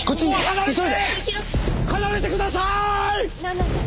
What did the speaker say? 離れてください！